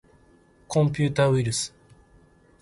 コンピューターウイルス